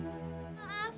kayak tadi harkus harkus